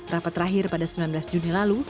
rapat terakhir pada sembilan belas juni lalu